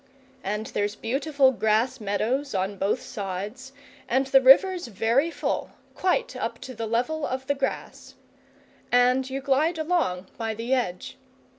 And there's beautiful grass meadows on both sides, and the river's very full, quite up to the level of the grass. And you glide along by the edge.